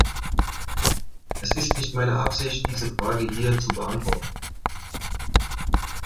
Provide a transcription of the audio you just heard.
Es ist nicht meine Absicht, diese Frage hier zu beantworten.